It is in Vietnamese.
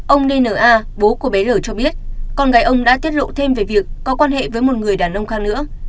ông dna bố của bé r cho biết con gái ông đã tiết lộ thêm về việc có quan hệ với một người đàn ông khác nữa